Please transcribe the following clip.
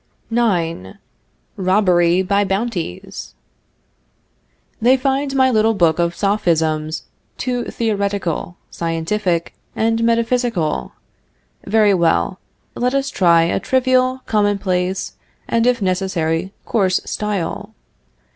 IX. ROBBERY BY BOUNTIES. They find my little book of Sophisms too theoretical, scientific, and metaphysical. Very well. Let us try a trivial, commonplace, and, if necessary, coarse style.